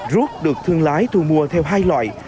rút được thương lái thu mua theo hai loại